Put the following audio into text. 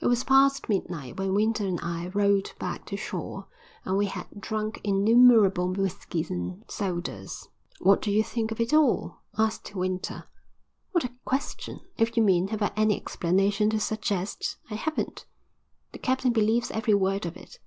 It was past midnight when Winter and I rowed back to shore and we had drunk innumerable whiskies and sodas. "What do you think of it all?" asked Winter. "What a question! If you mean, have I any explanation to suggest, I haven't." "The captain believes every word of it."